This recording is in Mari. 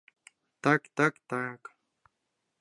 Так-так-так!